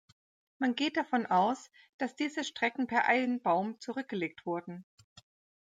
Man geht davon aus, dass diese Strecken per Einbaum zurückgelegt wurden.